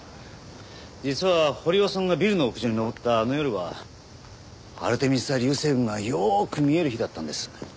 実は堀尾さんがビルの屋上に上ったあの夜はアルテミス座流星群がよく見える日だったんです。